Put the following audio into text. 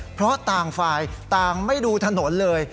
เพราะต่างฝ่ายต่างไม่ดูถนนเลย